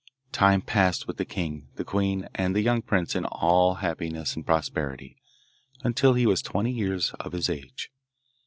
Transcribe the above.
Time passed with the king, the queen, and the young prince in all happiness and prosperity, until he was twenty years of his age.